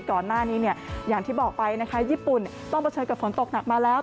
ก่อนหน้านี้เนี่ยอย่างที่บอกไปนะคะญี่ปุ่นต้องเผชิญกับฝนตกหนักมาแล้ว